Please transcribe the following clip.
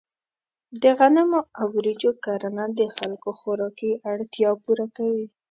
د غنمو او وریجو کرنه د خلکو خوراکي اړتیا پوره کوي.